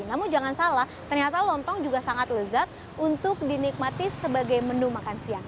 namun jangan salah ternyata lontong juga sangat lezat untuk dinikmati sebagai menu makan siang